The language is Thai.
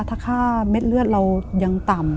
ถ้าค่าเม็ดเลือดเรายังต่ำ